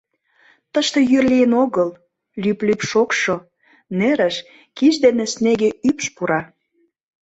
Тыште йӱр лийын огыл, лӱп-лӱп шокшо, нерыш киш дене снеге ӱпш пура.